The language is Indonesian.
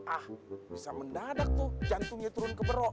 ah bisa mendadak tuh jantungnya turun ke berok